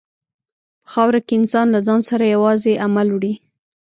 په خاوره کې انسان له ځان سره یوازې عمل وړي.